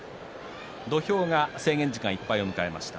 土俵、制限時間いっぱいとなりました。